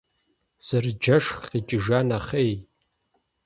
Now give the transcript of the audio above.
Зэрыджэшх къикӏыжа нэхъей.